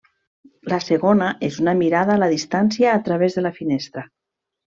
La segona és una mirada a la distància a través de la finestra.